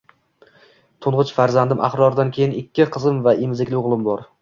To`ng`ich farzandim Ahrordan keyin ikki qizim va emizikli o`g`lim bor